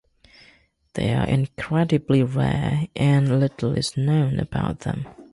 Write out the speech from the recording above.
They are incredibly rare and little is known about them.